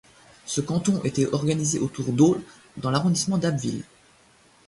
Ce canton était organisé autour d'Ault dans l'arrondissement d'Abbeville.